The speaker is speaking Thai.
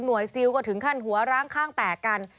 หน่วยซิลก็ถึงคันหัวร้างข้างแตกกัน